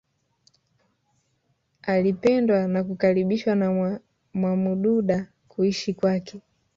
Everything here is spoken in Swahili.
Alipendwa na kukaribishwa na Mwamududa kuishi kwake